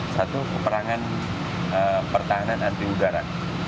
satu peperangan pertahanan anti udara